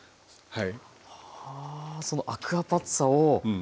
そのアクアパッツァを。